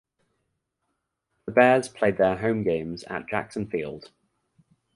The Bears played their home games at Jackson Field.